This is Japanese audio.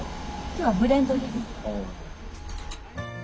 今日はブレンドです。